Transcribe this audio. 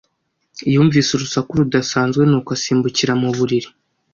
Yumvise urusaku rudasanzwe, nuko asimbukira mu buriri